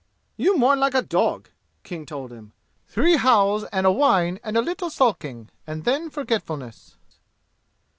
"You mourn like a dog," King told him. "Three howls and a whine and a little sulking and then forgetfulness!"